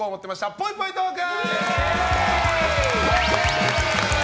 ぽいぽいトーク！